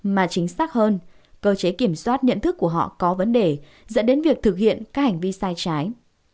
mà chính xác hơn cơ chế kiểm soát nhận thức của họ có vấn đề dẫn đến việc thực hiện các hành vi sai trái